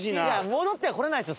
戻ってはこれないですよ